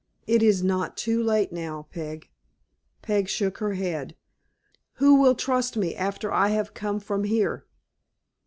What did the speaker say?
"It is not too late now, Peg." Peg shook her head. "Who will trust me after I have come from here?"